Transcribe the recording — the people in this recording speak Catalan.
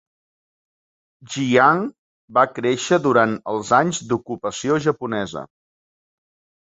Jiang va créixer durant els anys d'ocupació japonesa.